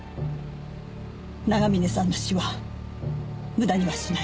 長峰さんの死は無駄にはしない。